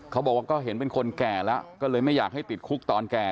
เขาบอกว่าก็เห็นเป็นคนแก่แล้วก็เลยไม่อยากให้ติดคุกตอนแก่